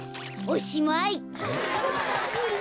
おしまい。